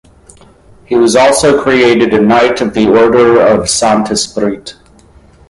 He was also created a knight of the Order of Saint Esprit.